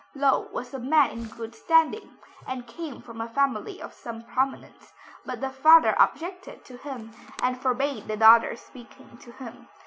Löwe was a man in good standing, and came from a family of some prominence, but the father objected to him and forbade the daughter speaking to him.